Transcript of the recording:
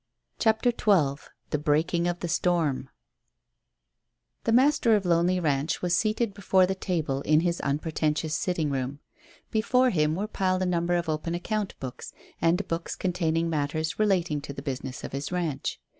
CHAPTER XII THE BREAKING OF THE STORM The master of Lonely Ranch was seated before the table in his unpretentious sitting room. Before him were piled a number of open account books, and books containing matters relating to the business of his ranch.